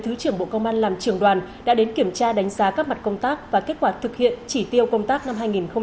thứ trưởng bộ công an làm trường đoàn đã đến kiểm tra đánh giá các mặt công tác và kết quả thực hiện chỉ tiêu công tác năm hai nghìn hai mươi ba